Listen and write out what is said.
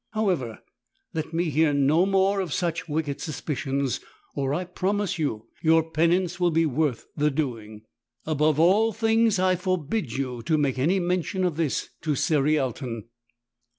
However, let me hear no more of such wicked suspicions, or I promise you your penance will be worth the doing. Above all things I forbid you to make any mention of this to Cerialton."